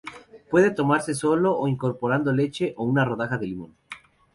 Puede tomarse sólo o incorporando leche o una rodaja de limón.